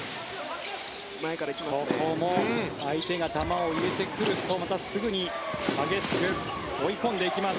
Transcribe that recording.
ここも相手が球を入れてくるとまたすぐに激しく追い込んでいきます。